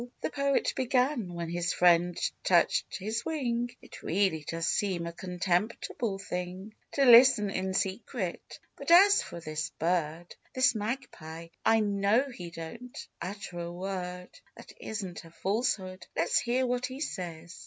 The Poet began, when his friend touched his wing, " It really does seem a contemptible thing To listen in secret ; but, as for this bird, — This Magpie, — I know he don't utter a word That isn't a falsehood ! Let's hear what he says.